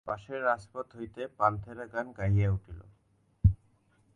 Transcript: পাশের রাজপথ হইতে পান্থেরা গান গাহিয়া উঠিল।